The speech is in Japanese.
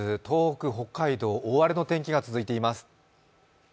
東北・北海道大荒れの天気が続いています。